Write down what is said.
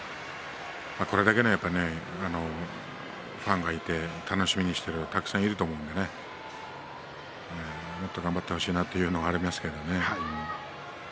これだけのファンがいて楽しみにしている人がたくさんいると思うんでねもっと頑張ってほしいなというのがありますけれどもね。